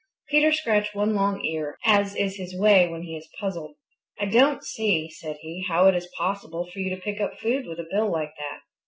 Peter scratched one long ear, as is his way when he is puzzled. "I don't see," said he, "how it is possible for you to pick up food with a bill like that."